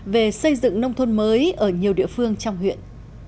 về xây dựng nông thôn mới ở nhiều địa phương trong huyện